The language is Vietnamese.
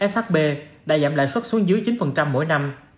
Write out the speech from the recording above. shb đã giảm lãi suất xuống dưới chín mỗi năm